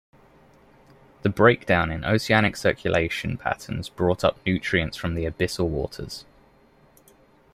The breakdown in the oceanic circulation patterns brought up nutrients from the abyssal waters.